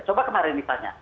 coba kemarin ditanya